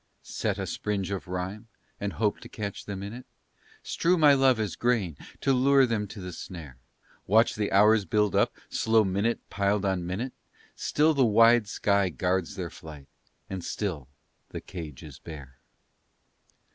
Set a springe of rhyme, and hope to catch them in it? Strew my love as grain to lure them to the snare? Watch the hours built up, slow minute piled on minute? Still the wide sky guards their flight, and still the cage is bare.